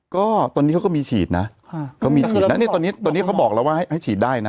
ก็ตอนนี้เขาก็มีฉีดนะเขามีฉีดนะเนี่ยตอนนี้ตอนนี้เขาบอกแล้วว่าให้ฉีดได้นะ